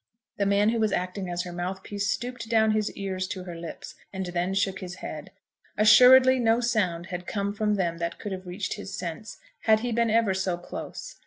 The man who was acting as her mouthpiece stooped down his ears to her lips, and then shook his head. Assuredly no sound had come from them that could have reached his sense, had he been ever so close.